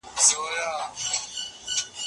که باران نه وي نو ځمکه خپله تنده نه ماتوي.